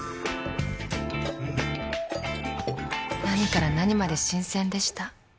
何から何まで新鮮でした。